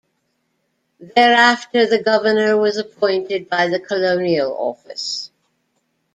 Thereafter the Governor was appointed by the Colonial Office.